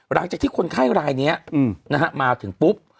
หลังจากที่คนไข้รายเนี้ยอืมนะฮะมาถึงปุ๊บ